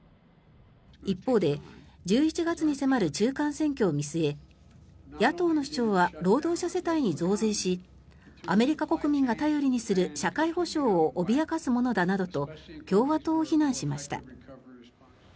一方で１１月に迫る中間選挙を見据え野党の主張は労働者世帯に増税しアメリカ国民が頼りにする社会保障を脅かすものだなどと共和党を非難しました。